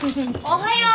・おはよう。